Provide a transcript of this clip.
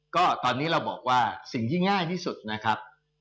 ก็ตอนนี้เราบอกว่าสิ่งที่ง่ายที่สุดนะครับ